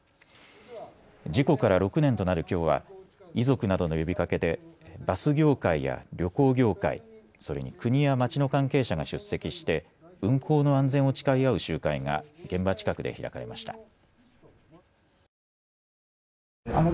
事故から６年となるきょうは遺族などの呼びかけでバス業界や旅行業界、それに国や町の関係者が出席して運行の安全を誓い合う集会が現場近くで開かれました。